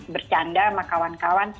bercanda sama kawan kawan